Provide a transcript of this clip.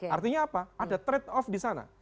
artinya apa ada trade off disana